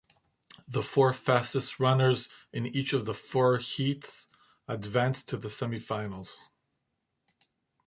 The four fastest runners in each of the four heats advanced to the semifinals.